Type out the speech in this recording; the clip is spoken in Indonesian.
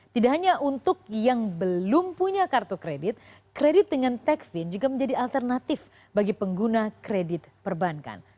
tidak hanya untuk yang belum punya kartu kredit kredit dengan techfin juga menjadi alternatif bagi pengguna kredit perbankan